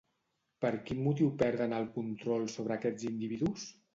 Per quin motiu perden el control sobre aquests individus?